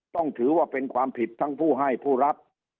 ต้องถือว่าเป็นความผิดทั้งผู้ให้ผู้รับ